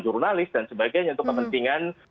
jurnalis dan sebagainya untuk kepentingan